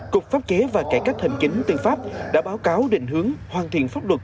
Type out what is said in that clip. cục pháp chế và cải cách hành chính tư pháp đã báo cáo định hướng hoàn thiện pháp luật